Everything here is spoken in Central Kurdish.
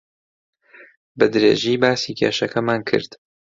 بەدرێژی باسی کێشەکەمان کرد.